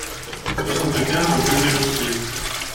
soixante-quinze rue Bellocier